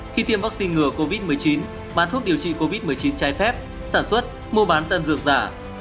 khi tiêm vaccine ngừa covid một mươi chín bán thuốc điều trị covid một mươi chín trái phép sản xuất mua bán tân dược giả